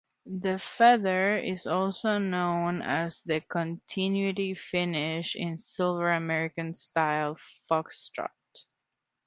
The feather is also known as the continuity finish in silver American Style Foxtrot.